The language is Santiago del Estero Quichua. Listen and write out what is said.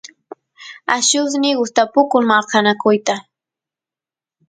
allusniy gustapukun marqanakuyta